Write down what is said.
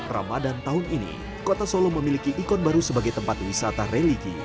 ramadan tahun ini kota solo memiliki ikon baru sebagai tempat wisata religi